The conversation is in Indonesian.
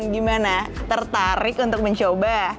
gimana tertarik untuk mencoba